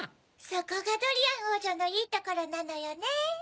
そこがドリアンおうじょのいいところなのよね。